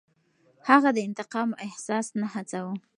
هغه د انتقام احساس نه هڅاوه.